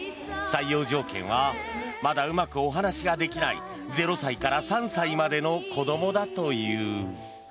採用条件はまだうまくお話ができない０歳から３歳までの子どもだという。